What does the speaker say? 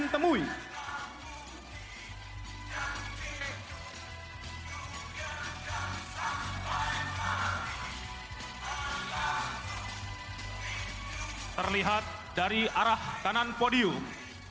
terlihat dari arah kanan podium